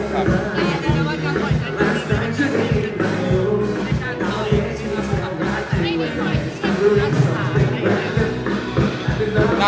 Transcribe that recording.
แต่อย่างนั้นก็ว่าการปล่อยเงินมากกว่าที่ไม่ใช่การปล่อยเงิน